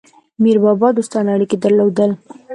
میربابا دوستانه اړیکي درلودل.